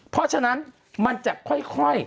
เพราะฉะนั้นมันจะค่อย